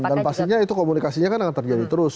dan pastinya itu komunikasinya kan akan terjadi terus